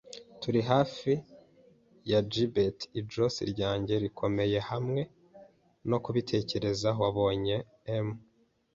Turi hafi ya gibbet ijosi ryanjye rikomeye hamwe no kubitekerezaho. Wabonye 'em,